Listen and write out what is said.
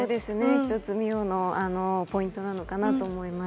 一つ、美世のポイントなのかなと思います。